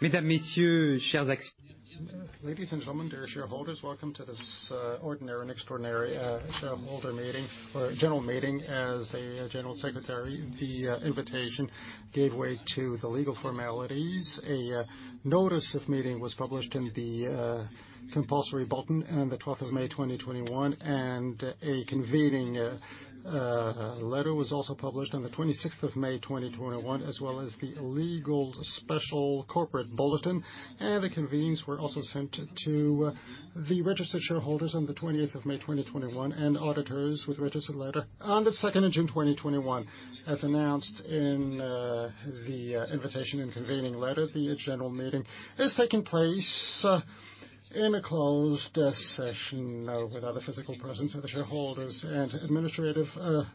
Mesdames, messieurs, chers actionnaires. Ladies and gentlemen, dear shareholders, welcome to this ordinary and extraordinary general meeting. As a general secretary, the invitation gave way to the legal formalities. A notice of meeting was published in the compulsory bulletin on the 12th of May 2021, and a convening letter was also published on the 26th of May 2021, as well as the legal special corporate bulletin. The convenings were also sent to the registered shareholders on the 20th of May 2021, and auditors with registered letter on the 2nd of June 2021. As announced in the invitation and convening letter, the general meeting is taking place in a closed session without a physical presence of the shareholders and administrative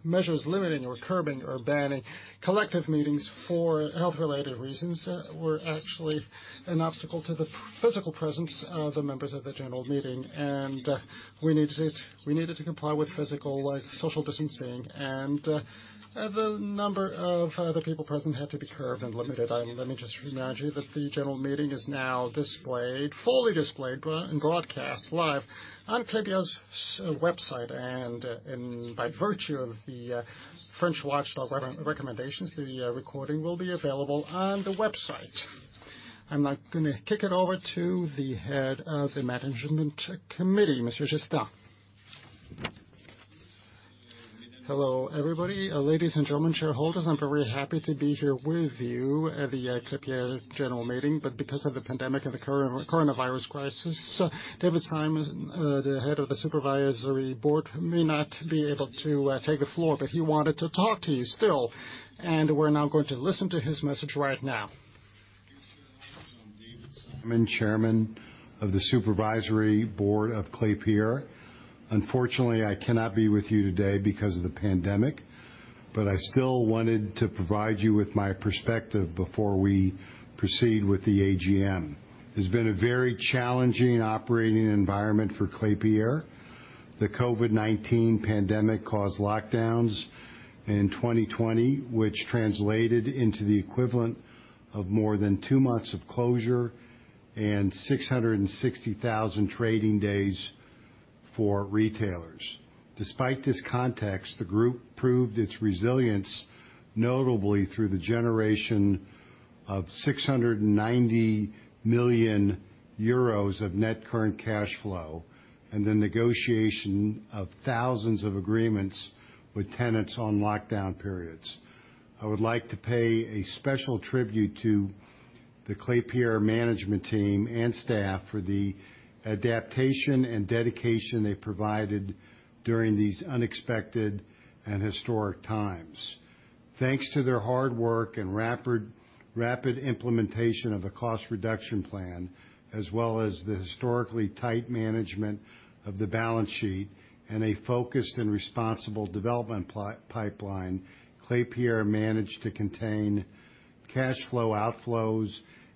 measures limiting or curbing or banning collective meetings for health-related reasons that were actually an obstacle to the physical presence of the members of the general meeting. We needed to comply with physical social distancing, and the number of other people present had to be curbed and limited. Let me just remind you that the general meeting is now displayed, fully displayed and broadcast live on Klépierre's website. By virtue of the French watchdog recommendations, the recording will be available on the website. I'm going to kick it over to the Head of the Management Committee, Mr. Jestin. Hello, everybody. Ladies and gentlemen, shareholders, I'm very happy to be here with you at the Klépierre general meeting. Because of the pandemic, the COVID-19 crisis, David Simon, the Head of the Supervisory Board, may not be able to take the floor, but he wanted to talk to you still, and we're now going to listen to his message right now. David Simon, Chairman of the Supervisory Board of Klépierre. Unfortunately, I cannot be with you today because of the pandemic, but I still wanted to provide you with my perspective before we proceed with the AGM. It's been a very challenging operating environment for Klépierre. The COVID-19 pandemic caused lockdowns in 2020, which translated into the equivalent of more than two months of closure and 660,000 trading days for retailers. Despite this context, the group proved its resilience, notably through the generation of 690 million euros of net current cash flow and the negotiation of thousands of agreements with tenants on lockdown periods. I would like to pay a special tribute to the Klépierre management team and staff for the adaptation and dedication they provided during these unexpected and historic times. Thanks to their hard work and rapid implementation of a cost reduction plan, as well as the historically tight management of the balance sheet and a focused and responsible development pipeline, Klépierre managed to contain cash flow outflows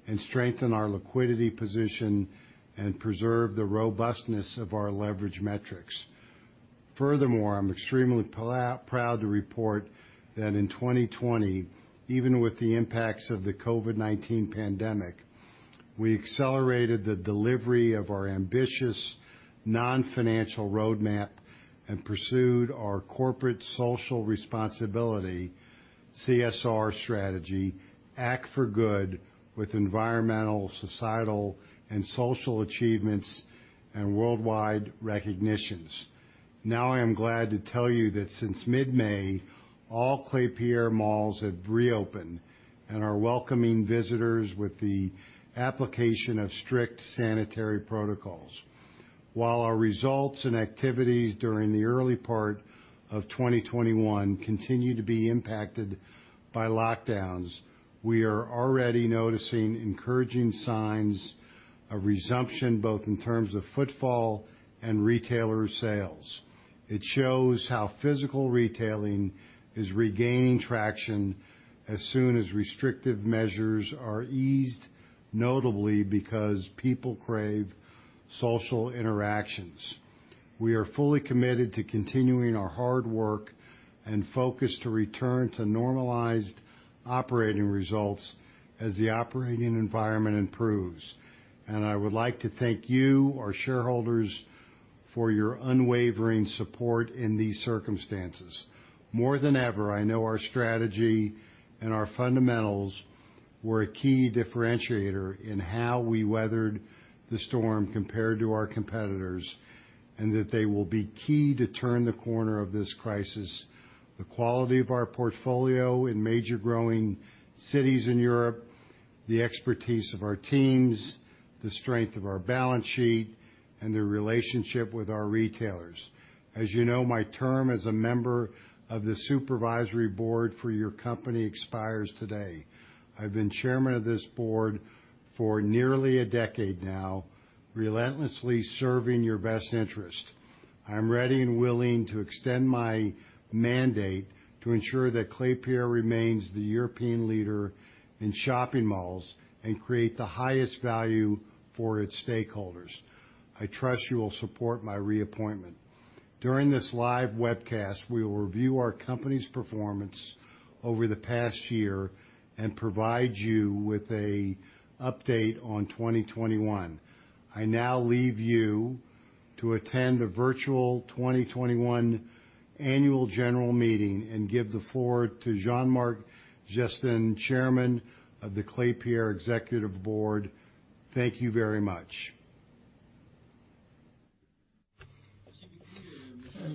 and strengthen our liquidity position and preserve the robustness of our leverage metrics. Furthermore, I'm extremely proud to report that in 2020, even with the impacts of the COVID-19 pandemic, we accelerated the delivery of our ambitious non-financial roadmap and pursued our corporate social responsibility, CSR strategy, Act for Good, with environmental, societal, and social achievements and worldwide recognitions. Now, I am glad to tell you that since mid-May, all Klépierre malls have reopened and are welcoming visitors with the application of strict sanitary protocols. While our results and activities during the early part of 2021 continue to be impacted by lockdowns, we are already noticing encouraging signs of resumption, both in terms of footfall and retailer sales. It shows how physical retailing is regaining traction as soon as restrictive measures are eased, notably because people crave social interactions. We are fully committed to continuing our hard work and focus to return to normalized operating results as the operating environment improves. I would like to thank you, our shareholders, for your unwavering support in these circumstances. More than ever, I know our strategy and our fundamentals were a key differentiator in how we weathered the storm compared to our competitors, and that they will be key to turn the corner of this crisis, the quality of our portfolio in major growing cities in Europe, the expertise of our teams, the strength of our balance sheet, and the relationship with our retailers. As you know, my term as a member of the Supervisory Board for your company expires today. I've been Chairman of this board for nearly a decade now, relentlessly serving your best interest. I'm ready and willing to extend my mandate to ensure that Klépierre remains the European leader in shopping malls and create the highest value for its stakeholders. I trust you will support my reappointment. During this live webcast, we will review our company's performance over the past year and provide you with an update on 2021. I now leave you to attend the virtual 2021 annual general meeting and give the floor to Jean-Marc Jestin, Chairman of the Klépierre Executive Board. Thank you very much.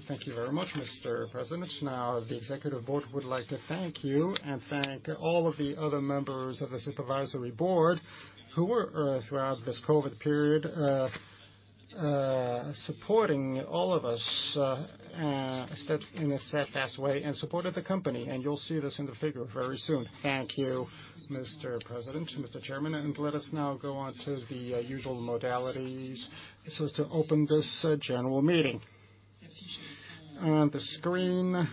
Thank you very much, Mr. President. Now, the Executive Board would like to thank you and thank all of the other members of the Supervisory Board who were, throughout this COVID period, supporting all of us in a steadfast way in support of the company, and you'll see this in the figures very soon. Thank you, Mr. President, Mr. Chairman. Let us now go on to the usual modalities so as to open this general meeting. On the screen,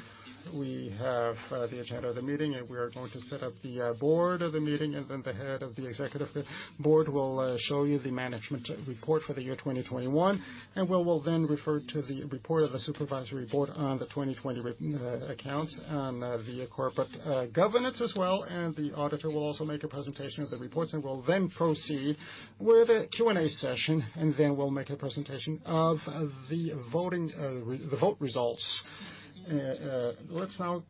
we have the agenda of the meeting. We are going to set up the Board of the meeting. The Head of the Executive Board will show you the management report for the year 2021. We will then refer to the report of the Supervisory Board on the 2020 accounts, the corporate governance as well. The auditor will also make a presentation of the reports. We will then proceed with a Q&A session. We will make a presentation of the vote results. Let's now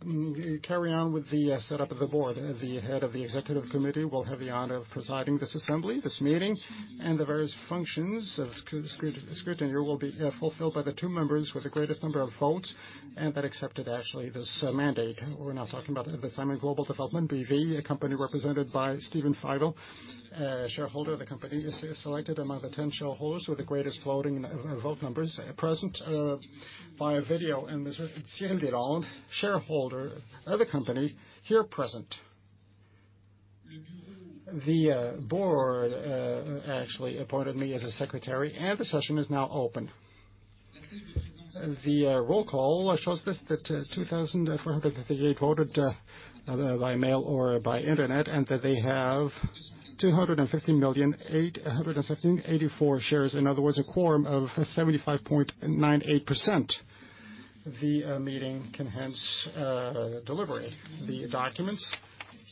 carry on with the setup of the Board. The Head of the Executive Board will have the honor of presiding this assembly, this meeting. The various functions of the secretary will be fulfilled by the two members with the greatest number of votes and that accepted actually this mandate. We're now talking about the Simon Global Development BV, a company represented by Steven Fivel, a shareholder of the company, selected among the 10 shareholders with the greatest voting and vote numbers present by video, and Mrs. Sandy Lang, shareholder of the company, here present. The board actually appointed me as the secretary, and the session is now open. The roll call shows us that 2,458 voted by mail or by internet, and that they have 250,815,084 shares. In other words, a quorum of 75.98%. The meeting can hence deliberate. The documents,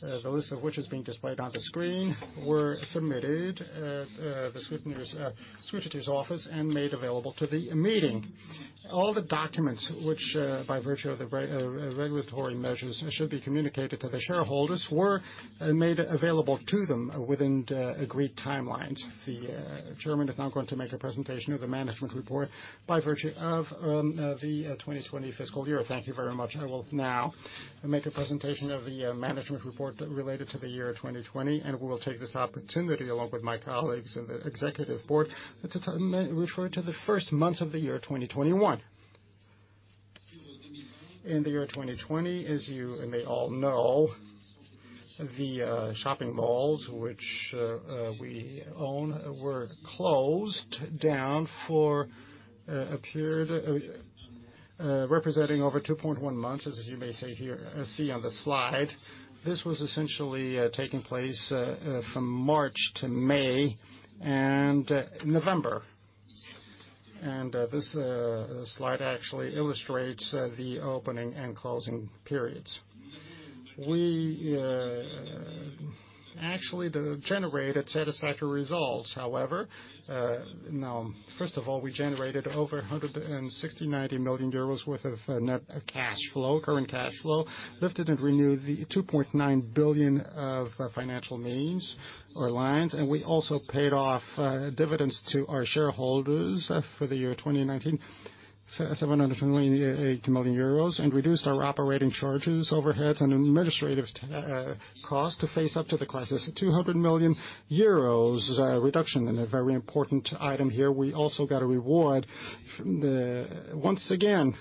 the list of which is being displayed on the screen, were submitted at the secretary's office and made available to the meeting. All the documents which, by virtue of the regulatory measures, should be communicated to the shareholders were made available to them within the agreed timelines. The chairman is now going to make a presentation of the management report by virtue of the 2020 fiscal year. Thank you very much. I will now make a presentation of the management report related to the year 2020. We will take this opportunity, along with my colleagues in the executive board, to refer to the first months of the year 2021. In the year 2020, as you may all know, the shopping malls, which we own, were closed down for a period representing over 2.1 months, as you may see on the slide. This was essentially taking place from March to May and November. This slide actually illustrates the opening and closing periods. We actually generated satisfactory results. However, first of all, we generated over 169 million euros worth of net cash flow, current cash flow, lifted and renewed the 2.9 billion of financial means or lines. We also paid off dividends to our shareholders for the year 2019, 728 million euros, and reduced our operating charges, overheads, and administrative costs to face up to the crisis, 200 million euros reduction. A very important item here, we also got a reward, once again,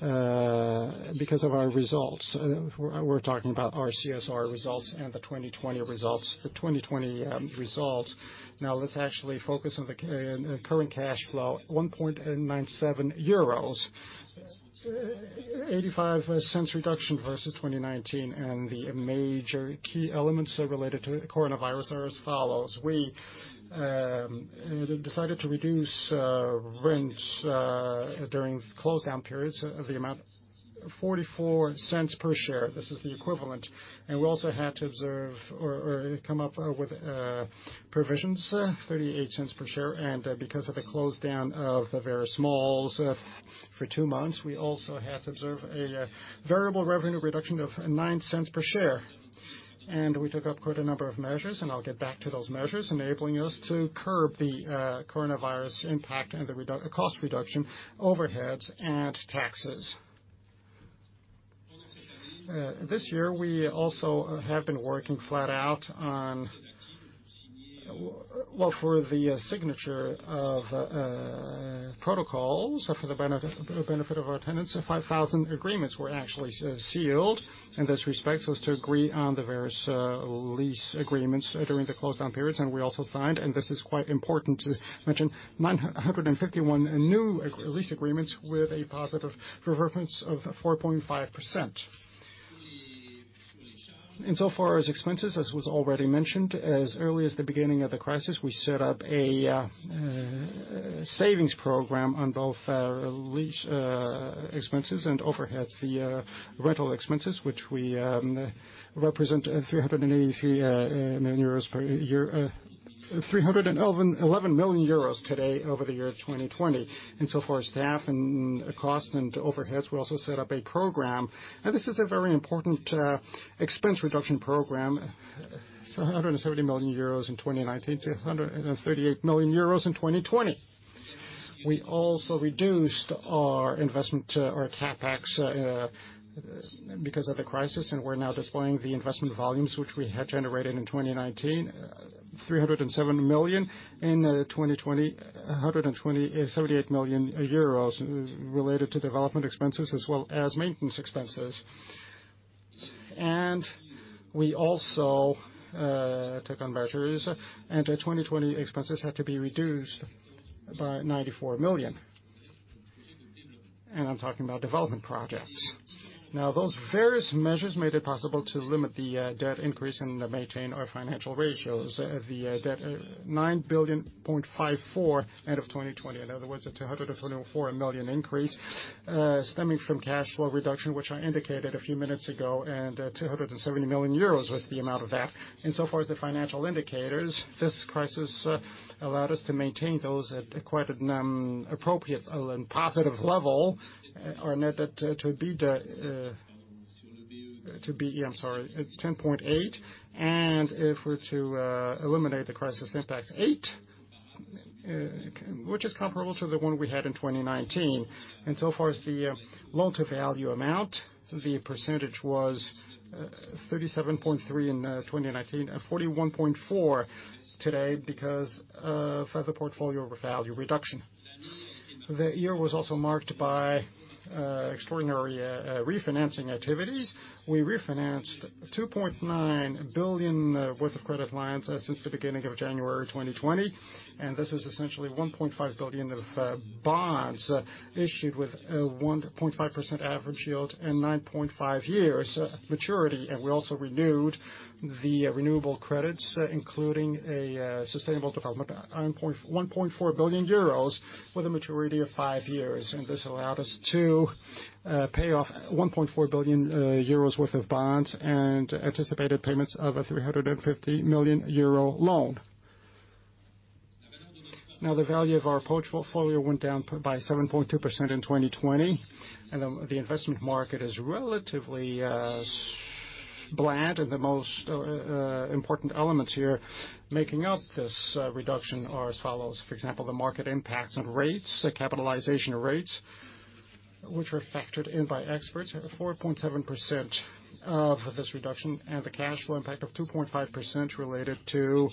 because of our results. We're talking about our CSR results and the 2020 results. Now, let's actually focus on the current cash flow, 1.97 euros, 0.85 reduction versus 2019. The major key elements related to coronavirus are as follows. We decided to reduce rents during close down periods of the amount 0.44 per share. This is the equivalent. We also had to observe or come up with provisions, 0.38 per share. Because of the close down of the various malls for two months, we also had to observe a variable revenue reduction of 0.09 per share. We took up quite a number of measures, and I'll get back to those measures, enabling us to curb the coronavirus impact and the cost reduction, overheads, and taxes. This year, we also have been working flat out Well, for the signature of protocols for the benefit of our tenants, 5,000 agreements were actually sealed in this respect, so as to agree on the various lease agreements during the close down periods. We also signed, and this is quite important to mention, 951 new lease agreements with a positive preference of 4.5%. Insofar as expenses, as was already mentioned, as early as the beginning of the crisis, we set up a savings program on both lease expenses and overheads, the rental expenses, which represent 311 million euros today over the year 2020. So far, staff and cost and overheads, we also set up a program. This is a very important expense reduction program. It's 130 million euros in 2019 to 138 million euros in 2020. We also reduced our investment, our CapEx, because of the crisis, and we're now deploying the investment volumes which we had generated in 2019, 307 million in 2020, 178 million euros related to development expenses as well as maintenance expenses. We also took on measures, and the 2020 expenses had to be reduced by 94 million. I'm talking about development projects. Now, those various measures made it possible to limit the debt increase and maintain our financial ratios. The debt, 9.54 end of 2020. In other words, a 224 million increase stemming from cash flow reduction, which I indicated a few minutes ago. 270 million euros was the amount of that. In so far as the financial indicators, this crisis allowed us to maintain those at quite an appropriate and positive level. Net debt to EBITDA, 10.8 and if we're to eliminate the crisis impact, eight, which is comparable to the one we had in 2019. So far as the loan-to-value amount, the percentage was 37.3% in 2019 and 41.4% today because of further portfolio value reduction. The year was also marked by extraordinary refinancing activities. We refinanced 2.9 billion worth of credit lines since the beginning of January 2020. This is essentially 1.5 billion of bonds issued with a 1.5% average yield and 9.5 years maturity. We also renewed the renewable credits, including a sustainable development, 1.4 billion euros with a maturity of five years. This allowed us to pay off 1.4 billion euros worth of bonds and anticipated payments of a 350 million euro loan. The value of our portfolio went down by 7.2% in 2020. The investment market is relatively bland, the most important elements here making up this reduction are as follows. For example, the market impact on rates, capitalization rates, which were factored in by experts at 4.7% of this reduction and the cash flow impact of 2.5% related to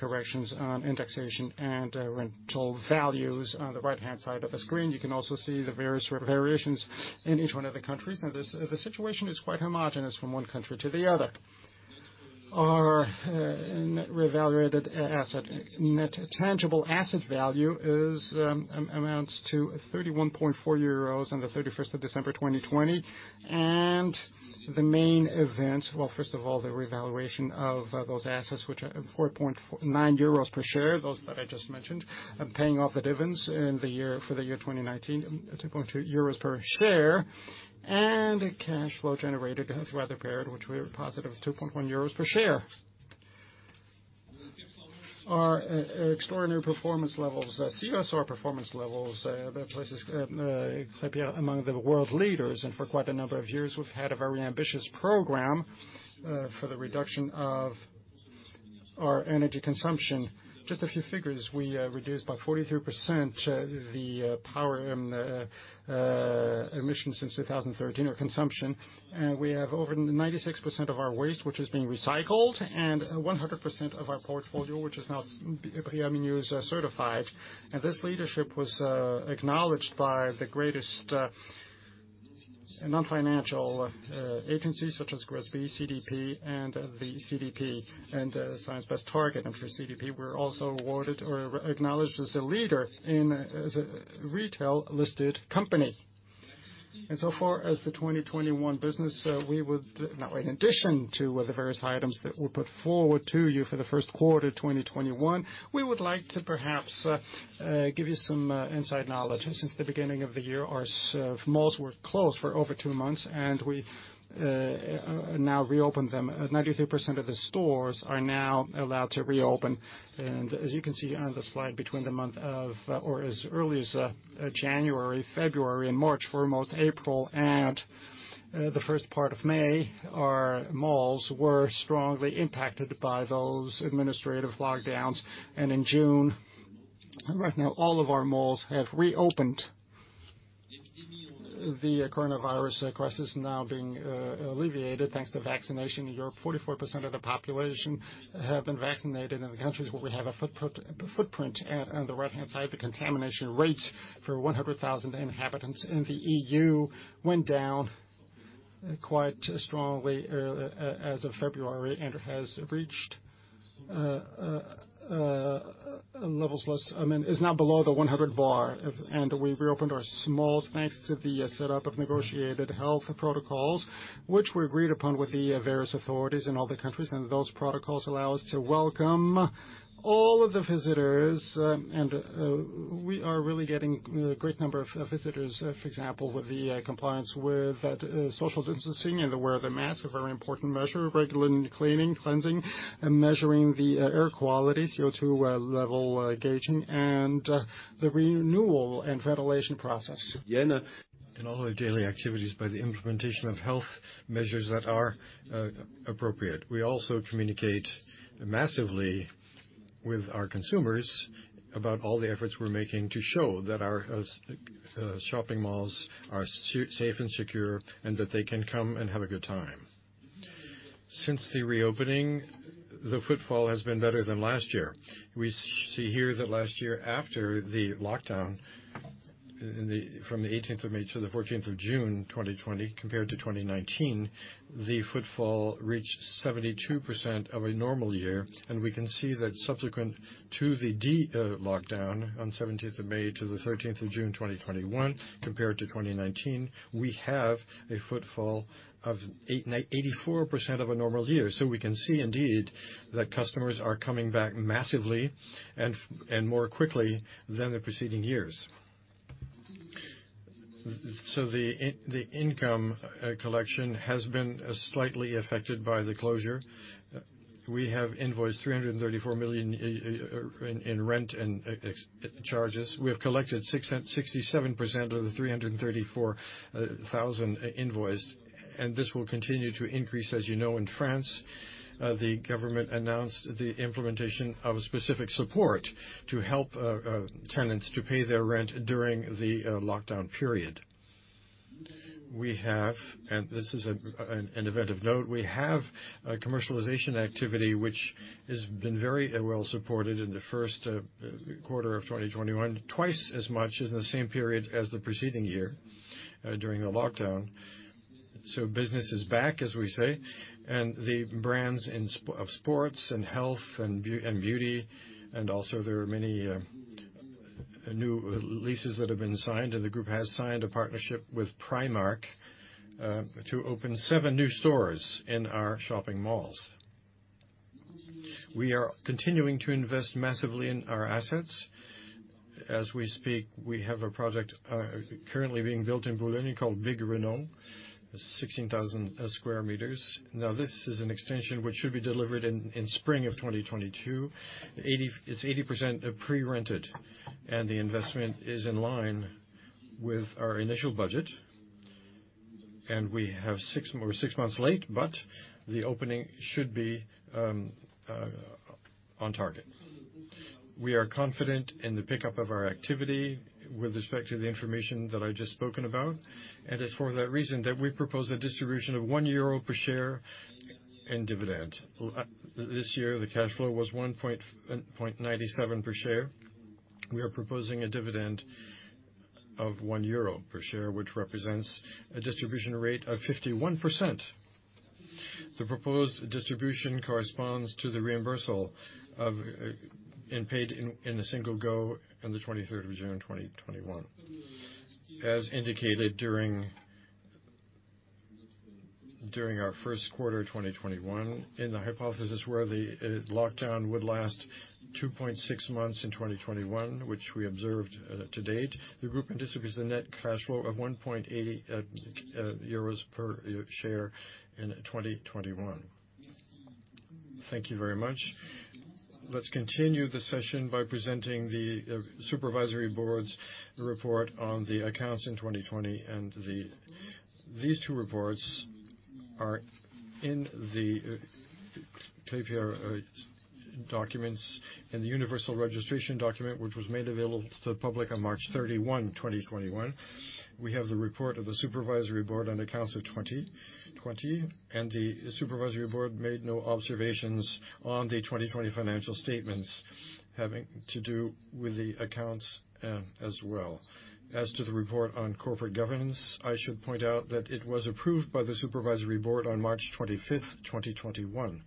corrections on indexation and rental values. On the right-hand side of the screen, you can also see the various sort of variations in each one of the countries. The situation is quite homogenous from one country to the other. Our reevaluated asset, tangible asset value, amounts to 31.4 euros on the 31st of December 2020. The main event, well, first of all, the revaluation of those assets, which are 4.9 euros per share, those that I just mentioned, and paying off the dividends for the year 2019, 2.2 euros per share, and net cash flow generated for the period, which were positive, 2.1 euros per share. Our extraordinary performance levels, CSR performance levels, places Klépierre among the world leaders. For quite a number of years, we've had a very ambitious program for the reduction of our energy consumption. Just a few figures, we reduced by 43% the power emission since 2013, or consumption. We have over 96% of our waste which is being recycled, and 100% of our portfolio which is now BREEAM In-Use certified. This leadership was acknowledged by the greatest non-financial agencies such as GRESB, CDP, and Science Based Target. For CDP, we're also awarded or acknowledged as a leader in retail listed company. So far as the 2021 business, in addition to the various items that we'll put forward to you for the first quarter 2021, we would like to perhaps give you some inside knowledge. Since the beginning of the year, our malls were closed for over two months, and we now reopened them. 93% of the stores are now allowed to reopen. As you can see on the slide as early as January, February, and March, for most April and the first part of May, our malls were strongly impacted by those administrative lockdowns. In June, right now, all of our malls have reopened. The coronavirus crisis now being alleviated, thanks to vaccination. In Europe, 44% of the population have been vaccinated in countries where we have a footprint. On the right-hand side, the contamination rates for 100,000 inhabitants in the EU went down Quite strongly as of February, and has reached levels, is now below the 100 bar. We reopened our malls thanks to the set up of negotiated health protocols, which we agreed upon with the various authorities in all the countries. Those protocols allow us to welcome all of the visitors, and we are really getting a great number of visitors, for example, with the compliance with social distancing and the wear of the mask, a very important measure, regularly cleaning, cleansing, and measuring the air quality, CO2 level gauging, and the renewal and ventilation process in all our daily activities by the implementation of health measures that are appropriate. We also communicate massively with our consumers about all the efforts we're making to show that our shopping malls are safe and secure, and that they can come and have a good time. Since the reopening, the footfall has been better than last year. We see here that last year after the lockdown, from the 18th of May to the 14th of June 2020 compared to 2019, the footfall reached 72% of a normal year, and we can see that subsequent to the lockdown on 17th of May to the 13th of June 2021 compared to 2019, we have a footfall of 84% of a normal year. We can see indeed that customers are coming back massively and more quickly than the preceding years. The income collection has been slightly affected by the closure. We have invoiced 334 million in rent and charges. We have collected 67% of the 334,000 invoiced, and this will continue to increase. As you know, in France, the government announced the implementation of specific support to help tenants to pay their rent during the lockdown period. We have, and this is an event of note, we have a commercialization activity which has been very well supported in the first quarter of 2021, twice as much in the same period as the preceding year during the lockdown. Business is back, as we say, and the brands of sports and health and beauty, and also there are many new leases that have been signed, and the group has signed a partnership with Primark, to open seven new stores in our shopping malls. We are continuing to invest massively in our assets. As we speak, we have a project currently being built in Boulogne called Big Renaud, 16,000 sq m. Now, this is an extension which should be delivered in spring of 2022. It's 80% pre-rented, and the investment is in line with our initial budget. We're six months late, but the opening should be on target. We are confident in the pickup of our activity with respect to the information that I've just spoken about. It's for that reason that we propose a distribution of 1 euro per share in dividend. This year, the cash flow was 1.97 per share. We are proposing a dividend of 1 euro per share, which represents a distribution rate of 51%. The proposed distribution corresponds to the reimbursement and paid in a single go on the 23rd of June 2021. As indicated during our first quarter 2021, in the hypothesis where the lockdown would last 2.6 months in 2021, which we observed to date, the group anticipates a net cash flow of 1.80 euros per share in 2021. Thank you very much. Let's continue the session by presenting the Supervisory Board's report on the accounts in 2020. These two reports are in the Klépierre documents in the Universal Registration Document, which was made available to the public on March 31, 2021. We have the report of the Supervisory Board on accounts of 2020. The Supervisory Board made no observations on the 2020 financial statements having to do with the accounts as well. As to the report on Corporate Governance, I should point out that it was approved by the Supervisory Board on March 25th, 2021.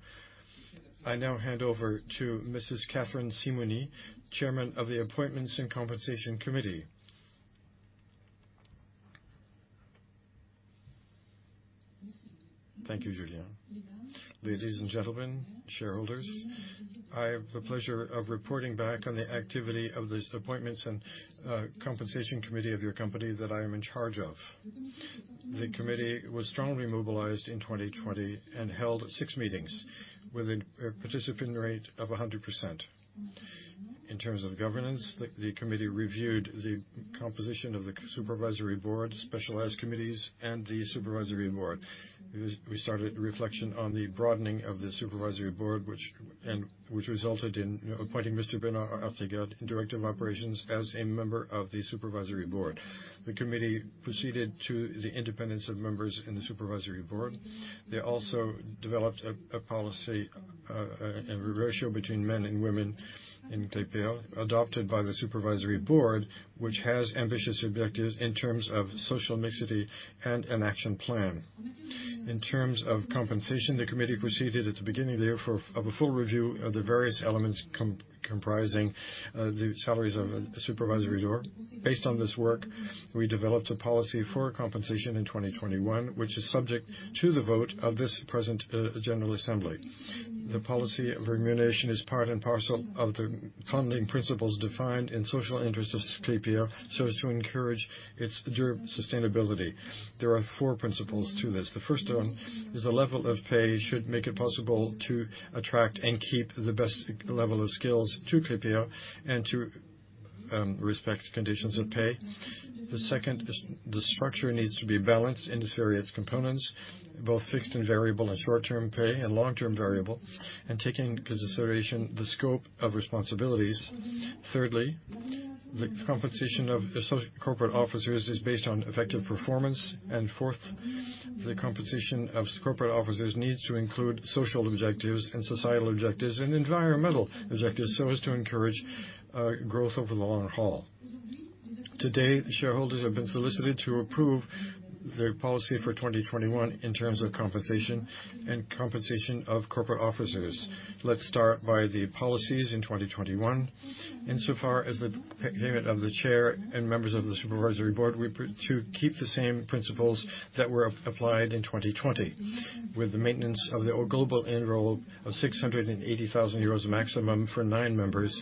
I now hand over to Mrs. Catherine Simoni, Chairman of the Appointments and Compensation Committee. Thank you, Julien. Ladies and gentlemen, shareholders, I have the pleasure of reporting back on the activity of this Appointments and Compensation Committee of your company that I am in charge of. The committee was strongly mobilized in 2020 and held six meetings with a participant rate of 100%. In terms of governance, the committee reviewed the composition of the Supervisory Board, specialized committees, and the Supervisory Board. We started a reflection on the broadening of the Supervisory Board, which resulted in appointing Mr. Beñat Ortega, Director of Operations, as a member of the Supervisory Board. The committee proceeded to the independence of members in the Supervisory Board. They also developed a policy in reversal between men and women in Klépierre, adopted by the Supervisory Board, which has ambitious objectives in terms of social mixity and an action plan. In terms of compensation, the committee proceeded at the beginning therefore of a full review of the various elements comprising the salaries of the Supervisory Board. Based on this work, we developed a policy for compensation in 2021, which is subject to the vote of this present general assembly. The policy of remuneration is part and parcel of the founding principles defined in social interests of Klépierre so as to encourage its sustainability. There are four principles to this. The first of them is the level of pay should make it possible to attract and keep the best level of skills to Klépierre and to respect conditions of pay. The second is the structure needs to be balanced in its various components, both fixed and variable, and short-term pay and long-term variable, and taking into consideration the scope of responsibilities. Thirdly, the compensation of corporate officers is based on effective performance. Fourth, the compensation of corporate officers needs to include social objectives and societal objectives and environmental objectives so as to encourage growth over the long haul. Today, shareholders have been solicited to approve the policy for 2021 in terms of compensation and compensation of corporate officers. Let's start by the policies in 2021. Insofar as the payment of the chair and members of the Supervisory Board, we keep the same principles that were applied in 2020 with the maintenance of the global annual of 680,000 euros maximum for nine members,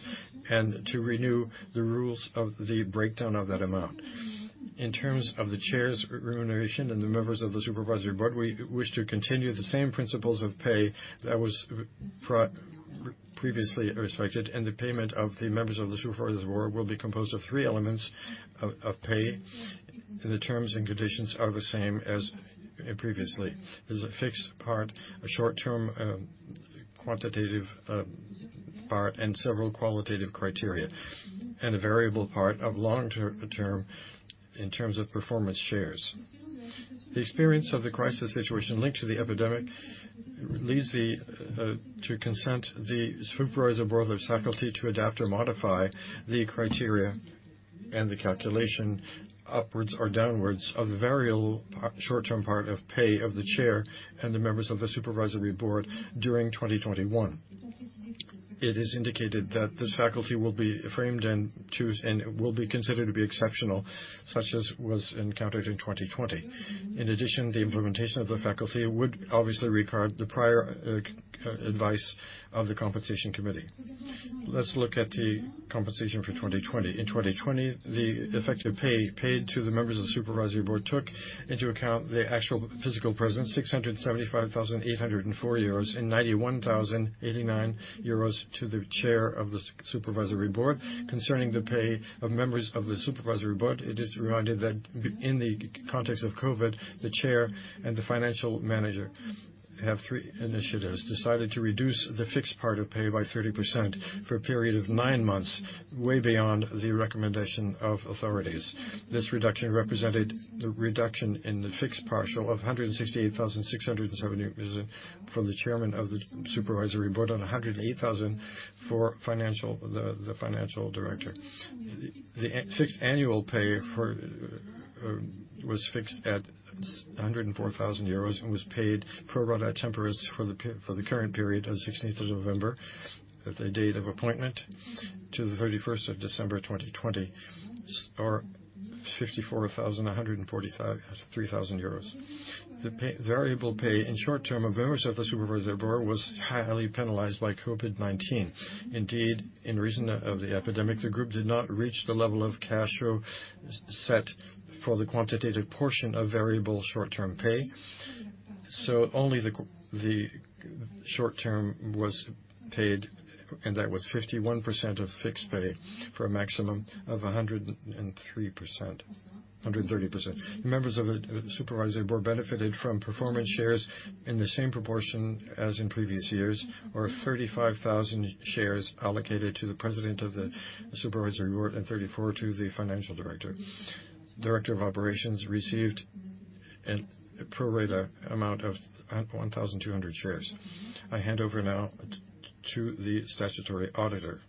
and to renew the rules of the breakdown of that amount. In terms of the Chair's remuneration and the members of the Supervisory Board, we wish to continue the same principles of pay that was previously selected, and the payment of the members of the Supervisory Board will be composed of three elements of pay, and the terms and conditions are the same as previously. There's a fixed part, a short-term quantitative part, and several qualitative criteria, and a variable part of long-term in terms of performance shares. The experience of the crisis situation linked to the epidemic leads to consent the Supervisory Board the faculty to adapt or modify the criteria and the calculation upwards or downwards of the short-term part of pay of the Chair and the members of the Supervisory Board during 2021. It is indicated that this faculty will be framed and will be considered to be exceptional, such as was encountered in 2020. In addition, the implementation of the faculty would obviously require the prior advice of the compensation committee. Let's look at the compensation for 2020. In 2020, the effective pay paid to the members of the Supervisory Board took into account the actual physical presence, 675,804 euros and 91,089 euros to the Chairman of the Supervisory Board. Concerning the pay of members of the Supervisory Board, it is reminded that in the context of COVID-19, the Chairman and the Financial Manager have three initiatives, decided to reduce the fixed part of pay by 30% for a period of nine months, way beyond the recommendation of authorities. This reduction represented the reduction in the fixed partial of 168,670 for the Chairman of the Supervisory Board and 108,000 for the Financial Director. The fixed annual pay was fixed at 104,000 euros and was paid pro rata temporis for the current period on 16th of November, the date of appointment, to the 31st of December 2020, or 54,143 euros. The variable pay in short-term of members of the Supervisory Board was highly penalized by COVID-19. By reason of the epidemic, the group did not reach the level of cash flow set for the quantitative portion of variable short-term pay. Only the short-term was paid, and that was 51% of fixed pay for a maximum of 130%. Members of the Supervisory Board benefited from performance shares in the same proportion as in previous years, or 35,000 shares allocated to the President of the Supervisory Board and 34 to the Financial Director. Director of Operations received a pro rata amount of 1,200 shares. I hand over now to the statutory auditor.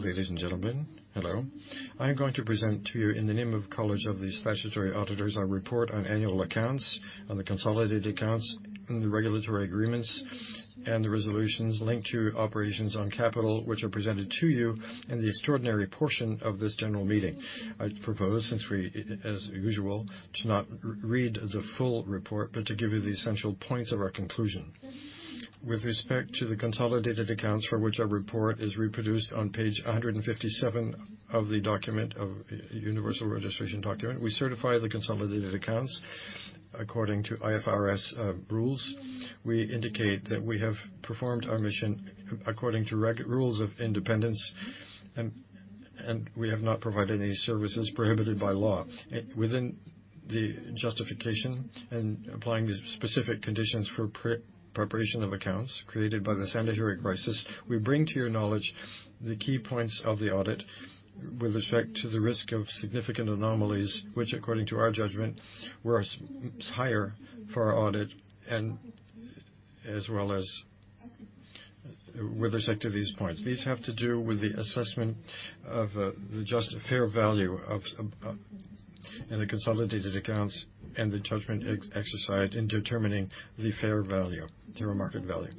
Ladies and gentlemen, hello. I'm going to present to you in the name of College of the Statutory Auditors, our report on annual accounts, on the consolidated accounts, and the regulatory agreements and the resolutions linked to operations on capital, which are presented to you in the extraordinary portion of this general meeting. I propose, since we, as usual, to not read the full report, but to give you the essential points of our conclusion. With respect to the consolidated accounts for which our report is reproduced on page 157 of the universal registration document, we certify the consolidated accounts according to IFRS rules. We indicate that we have performed our mission according to rules of independence, we have not provided any services prohibited by law. Within the justification and applying the specific conditions for preparation of accounts created by the sanitary crisis, we bring to your knowledge the key points of the audit with respect to the risk of significant anomalies, which according to our judgment, were higher for our audit and as well as with respect to these points. These have to do with the assessment of the fair value in the consolidated accounts and the judgment exercised in determining the fair value through market value.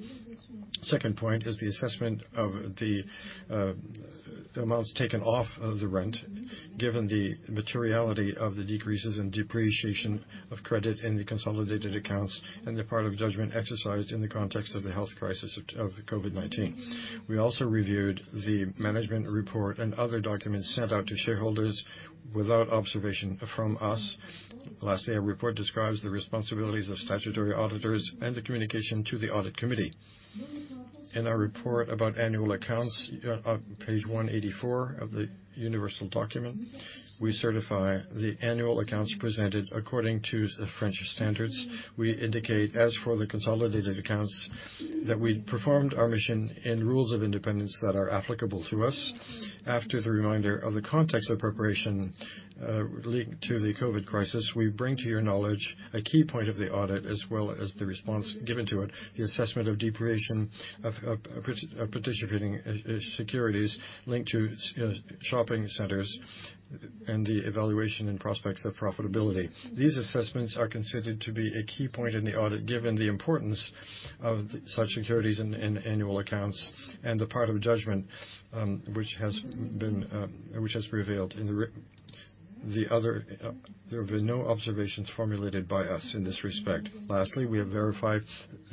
Second point is the assessment of the amounts taken off of the rent, given the materiality of the decreases in depreciation of credit in the consolidated accounts and the part of judgment exercised in the context of the health crisis of COVID-19. We also reviewed the management report and other documents sent out to shareholders without observation from us. Lastly, our report describes the responsibilities of statutory auditors and the communication to the audit committee. In our report about annual accounts on page 184 of the universal document, we certify the annual accounts presented according to the French standards. We indicate, as for the consolidated accounts, that we performed our mission in rules of independence that are applicable to us. After the reminder of the context of preparation linked to the COVID crisis, we bring to your knowledge a key point of the audit as well as the response given to it, the assessment of depreciation of participating securities linked to shopping centers and the evaluation and prospects of profitability. These assessments are considered to be a key point in the audit, given the importance of such securities in annual accounts and the part of judgment which has prevailed. There have been no observations formulated by us in this respect. Lastly, we have verified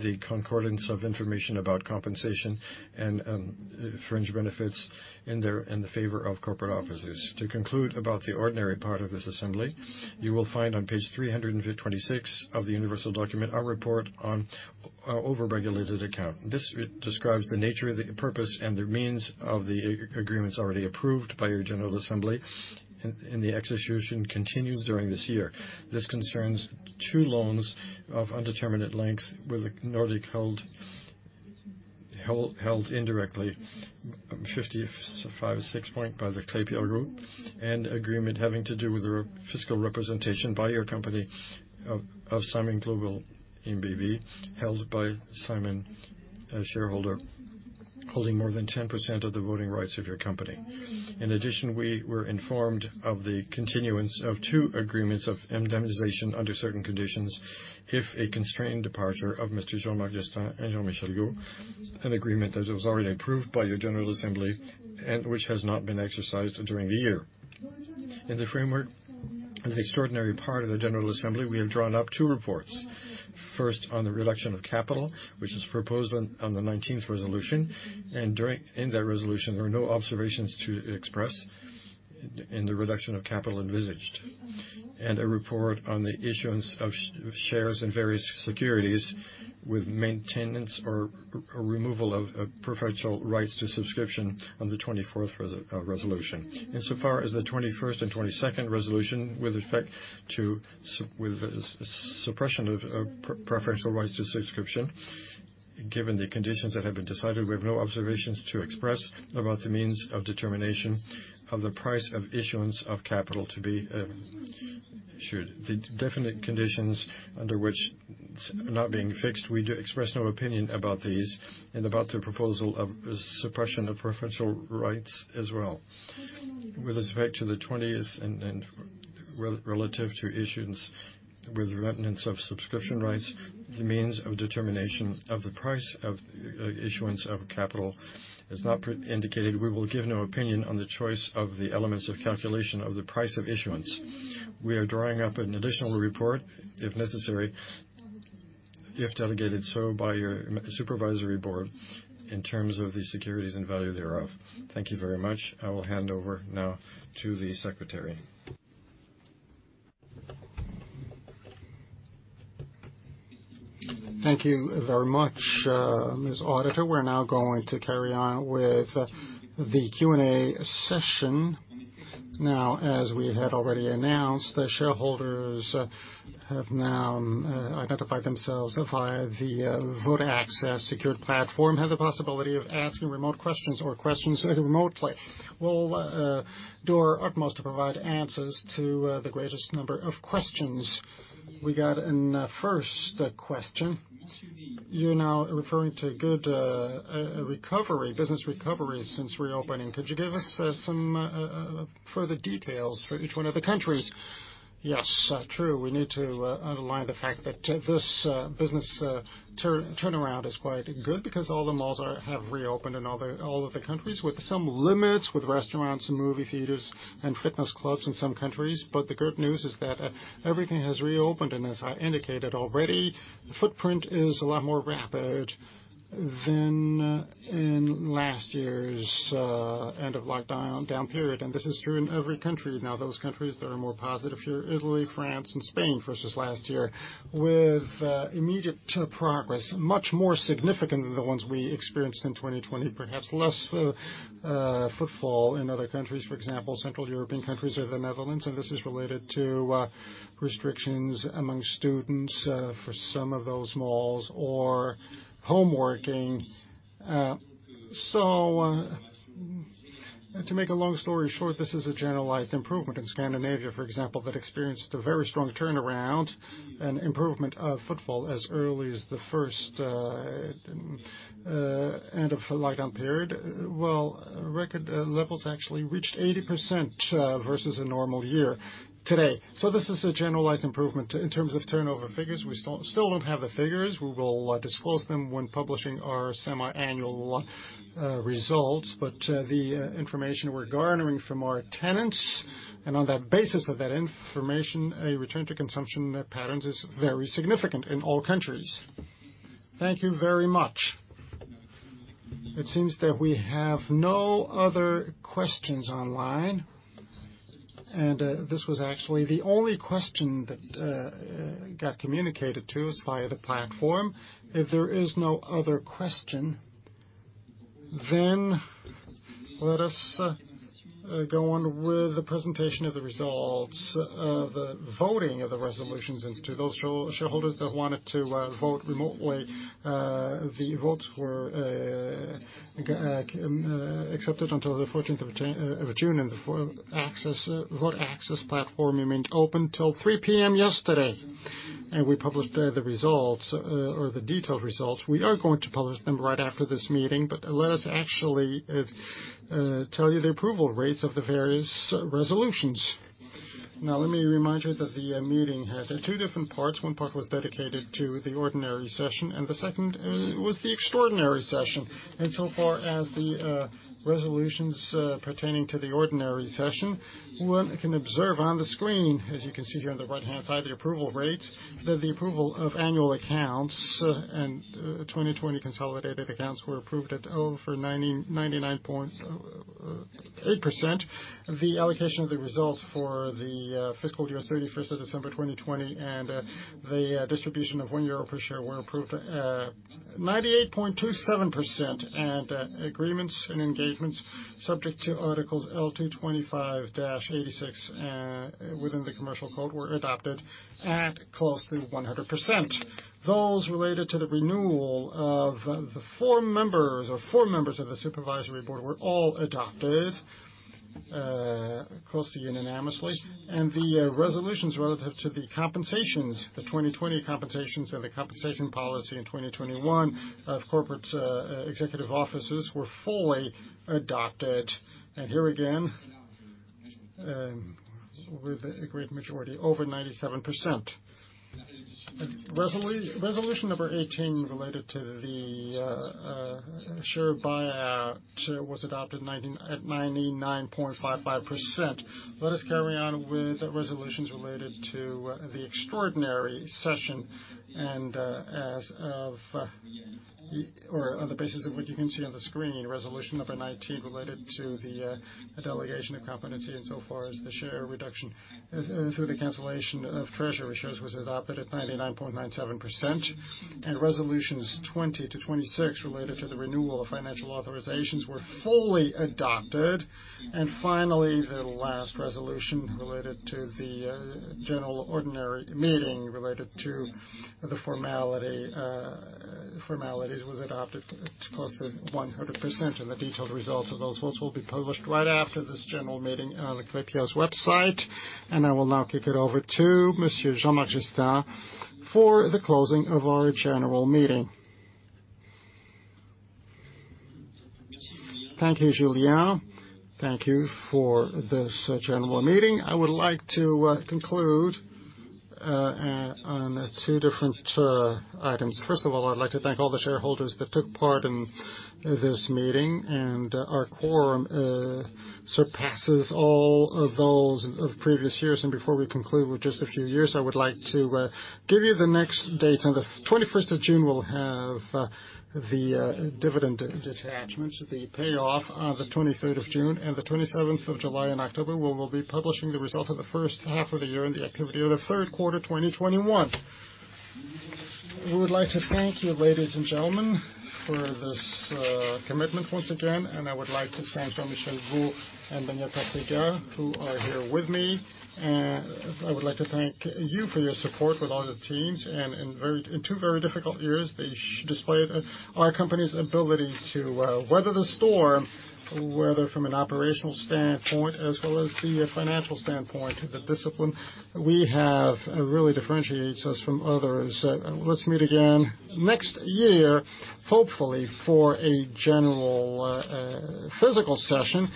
the concordance of information about compensation and fringe benefits in the favor of corporate officers. To conclude about the ordinary part of this assembly, you will find on page 356 of the universal document our report on over-regulated account. This describes the nature, the purpose, and the means of the agreements already approved by your general assembly, and the execution continues during this year. This concerns two loans of indeterminate lengths with Nordic held indirectly, 56% by the Klépierre Group, and agreement having to do with the fiscal representation by your company of Simon Global Development B.V., held by Simon, a shareholder, holding more than 10% of the voting rights of your company. We were informed of the continuance of two agreements of indemnization under certain conditions if a constrained departure of Mr. Jean-Marc Jestin and Jean-Michel Gault, an agreement that was already approved by your general assembly and which has not been exercised during the year. In the framework of the extraordinary part of the general assembly, we have drawn up two reports. On the reduction of capital, which is proposed on the 19th resolution, in that resolution, there are no observations to express in the reduction of capital envisaged. A report on the issuance of shares and various securities with maintenance or removal of preferential rights to subscription on the 24th resolution. Insofar as the 21st and 22nd resolution with respect to suppression of preferential rights to subscription, given the conditions that have been decided, we have no observations to express about the means of determination of the price of issuance of capital to be issued. The definite conditions under which not being fixed, we express no opinion about these and about the proposal of suppression of preferential rights as well. With respect to the 20th and relative to issuance with renouncement of subscription rights, the means of determination of the price of issuance of capital is not indicated. We will give no opinion on the choice of the elements of calculation of the price of issuance. We are drawing up an additional report, if necessary, if delegated so by your Supervisory Board in terms of the securities and value thereof. Thank you very much. I will hand over now to the secretary. Thank you very much, Ms. Auditor. We're now going to carry on with the Q& A session. As we had already announced, the shareholders have now adapted by themselves via the VoteAccess secured platform, have the possibility of asking remote questions or questions remotely. We'll do our utmost to provide answers to the greatest number of questions. We got in first question. You're now referring to good business recovery since reopening. Could you give us some further details for each one of the countries? Yes, true. We need to underline the fact that this business turnaround is quite good because all the malls have reopened in all of the countries with some limits with restaurants, movie theaters, and fitness clubs in some countries. The good news is that everything has reopened, and as I indicated already, the footprint is a lot more rapid than in last year's end of lockdown period. This is true in every country. Those countries that are more positive here, Italy, France, and Spain, versus last year, with immediate progress, much more significant than the ones we experienced in 2020, perhaps less footfall in other countries, for example, central European countries or the Netherlands, and this is related to restrictions among students for some of those malls or homeworking. To make a long story short, this is a generalized improvement in Scandinavia, for example, that experienced a very strong turnaround and improvement of footfall as early as the first end of lockdown period. Well, record levels actually reached 80% versus a normal year today. This is a generalized improvement. In terms of turnover figures, we still don't have the figures. We will disclose them when publishing our semi-annual results. The information we're garnering from our tenants, and on the basis of that information, a return to consumption patterns is very significant in all countries. Thank you very much. It seems that we have no other questions online, and this was actually the only question that got communicated to us via the platform. If there is no other question, let us go on with the presentation of the results of voting of the resolutions. To those shareholders that wanted to vote remotely, the votes were accepted until the 14th of June, and the VoteAccess platform remained open till 3:00 P.M. yesterday. We published the results or the detailed results. We are going to publish them right after this meeting. Let us actually tell you the approval rates of the various resolutions. Let me remind you that the meeting had two different parts. One part was dedicated to the ordinary session, and the second was the extraordinary session. So far as the resolutions pertaining to the ordinary session, we can observe on the screen, as you can see here on the right-hand side, the approval rates, the approval of annual accounts, and 2020 consolidated accounts were approved at over 99.8%. The allocation of the results for the fiscal year 31st December 2020, and the distribution of 1 euro per share were approved at 98.27%, and agreements and engagements subject to Articles L225-86 within the Commercial Code were adopted at closely 100%. Those related to the renewal of the four members of the Supervisory Board were all adopted closely unanimously. The resolutions relative to the compensations, the 2020 compensations and the compensation policy in 2021 of corporate executive officers were fully adopted, here again, with a great majority over 97%. Resolution number 18 related to the share buyout was adopted at 99.55%. Let us carry on with resolutions related to the extraordinary session. On the basis of what you can see on the screen, resolution number 19 related to the delegation of competency in so far as the share reduction through the cancellation of treasury shares was adopted at 99.97%. Resolutions 20 to 26 related to the renewal of financial authorizations were fully adopted. Finally, the last resolution related to the general ordinary meeting related to the formalities was adopted at close to 100%. The detailed results of those ones will be published right after this general meeting on the Klépierre's website. I will now kick it over to Mr. Jean-Marc Jestin for the closing of our general meeting. Thank you, Julien. Thank you for this general meeting. I would like to conclude on two different items. First of all, I'd like to thank all the shareholders that took part in this meeting, and our quorum surpasses all of those of previous years. Before we conclude with just a few years, I would like to give you the next dates. On the 21st of June, we'll have the dividend detachment, the payoff on the 23rd of June, and the 27th of July and October, where we'll be publishing the results of the first half of the year and the activity of the third quarter 2021. We would like to thank you, ladies and gentlemen, for this commitment once again, and I would like to thank Jean-Michel Gault and Beñat Ortega who are here with me. I would like to thank you for your support with all the teams. In two very difficult years, they displayed our company's ability to weather the storm, whether from an operational standpoint as well as the financial standpoint. The discipline we have really differentiates us from others. Let's meet again next year, hopefully, for a general physical session.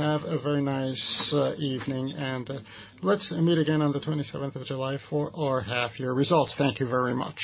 Have a very nice evening, and let's meet again on the 27th of July for our half-year results. Thank you very much.